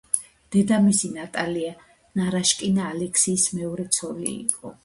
დედამისი ნატალია ნარიშკინა ალექსეის მეორე ცოლი იყო.